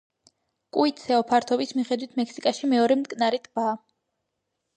კუიტსეო ფართობის მიხედვით მექსიკაში მეორე მტკნარი ტბაა.